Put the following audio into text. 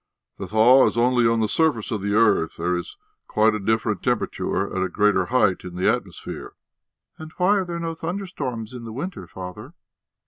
"The thaw is only on the surface of the earth; there is quite a different temperature at a greater height in the atmosphere." "And why are there no thunderstorms in the winter, father?"